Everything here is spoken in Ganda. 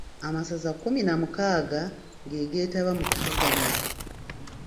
Amasaza kkumi na mukaaga ge geetaba mu kuvuganya.